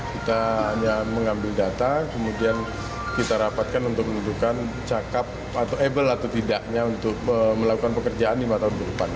kita hanya mengambil data kemudian kita rapatkan untuk menunjukkan cakep atau able atau tidaknya untuk melakukan pekerjaan lima tahun ke depan